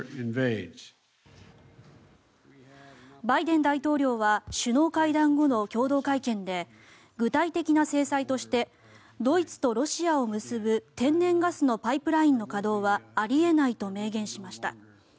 バイデン大統領は首脳会談後の共同会見で具体的な制裁としてドイツとロシアを結ぶ天然ガスのパイプラインの稼働はあり得ないと明言しました。